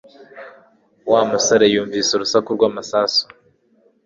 Wa musore yumvise urusaku rw'amasasu